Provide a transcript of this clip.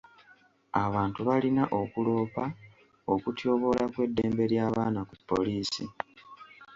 Abantu balina okuloopa okutyoboola kw'eddembe ly'abaana ku poliisi.